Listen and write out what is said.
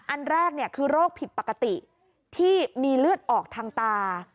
อันแรกคือโรคผิดปกติที่มีเลือดออกทางตา